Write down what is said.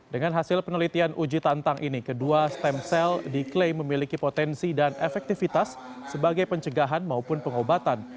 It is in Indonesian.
dengan hasil penelitian uji tantang ini kedua stem cell diklaim memiliki potensi dan efektivitas sebagai pencegahan maupun pengobatan